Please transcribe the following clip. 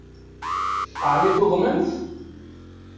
Ɛni tuḍnemt?